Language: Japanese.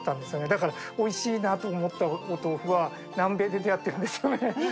だから、おいしいなと思ったお豆腐は南米で出会ってるんですよね。